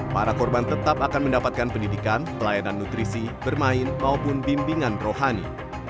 para korban tetap akan mendapatkan pendidikan pelayanan nutrisi bermain maupun bimbingan rohani